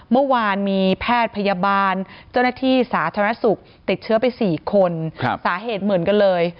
เมื่อวานมีแพทย์พยาบาลเจ้าหน้าที่สาธารณสุขติดเชื้อไป๔คนสาเหตุเหมือนกันเลย